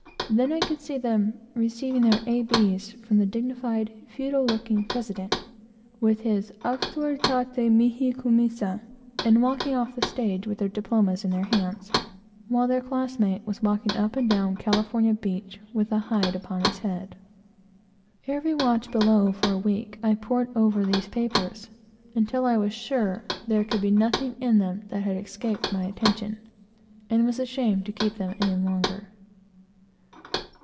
Then I could see them receiving their A. Bs. from the dignified, feudal looking President, with his "auctoritate mihi commissâ," and walking off the stage with their diplomas in their hands; while upon the very same day, their classmate was walking up and down California beach with a hide upon his head. Every watch below, for a week, I pored over these papers, until I was sure there could be nothing in them that had escaped my attention, and was ashamed to keep them any longer.